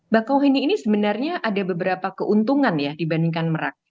bakauheni ini sebenarnya ada beberapa keuntungan ya dibandingkan merak